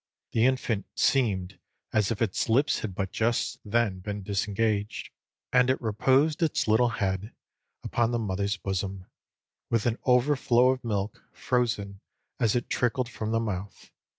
The infant seemed as if its lips had but just then been disengaged, and it reposed its little head upon the mother's bosom, with an overflow of milk, frozen as it trickled from the mouth.